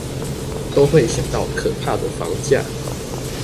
都會想到可怕的房價